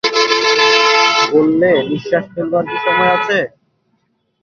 বললে, নিশ্বাস ফেলবার কি সময় আছে।